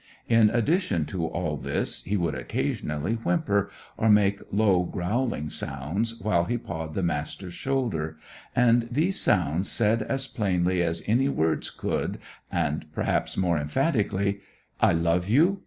In addition to all this, he would occasionally whimper, or make low growling noises, while he pawed the Master's shoulder; and these sounds said as plainly as any words could, and perhaps more emphatically: "I love you.